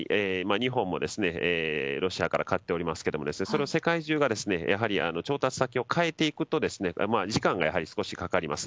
日本も、ロシアから買っておりますけれどもそれを世界中が調達先を変えていくと時間が少しかかります。